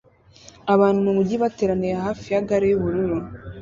Abantu mumujyi bateraniye hafi ya gare yubururu